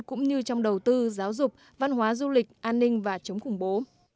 cũng như trong đầu tư giáo dục văn hóa du lịch an ninh và chống khủng bố